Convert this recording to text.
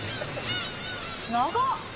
長っ！